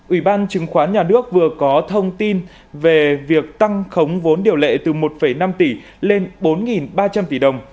ủy ban chứng khoán nhà nước vừa có thông tin về việc tăng khống vốn điều lệ từ một năm tỷ lên bốn ba trăm linh tỷ đồng